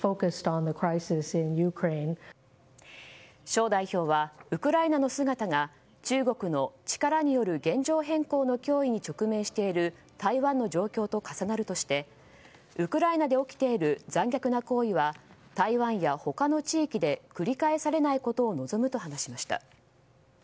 ショウ代表はウクライナの姿が中国の力による現状変更の脅威に直面している台湾の状況と重なるとしてウクライナで起きている残虐な行為は台湾や他の地域で繰り返されないことを望むと話しました。